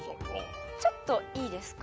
ちょっといいですか？